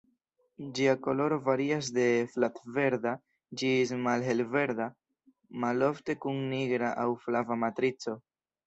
Ĝia koloro varias de flav-verda ĝis malhel-verda, malofte kun nigra aŭ flava matrico.